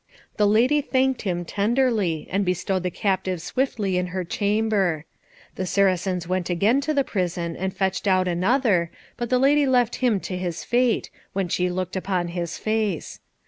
The lady thanked him tenderly, and bestowed the captive swiftly in her chamber. The Saracens went again to the prison and fetched out another, but the lady left him to his fate, when she looked upon his face.